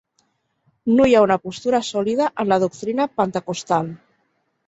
No hi ha una postura sòlida en la doctrina pentecostal.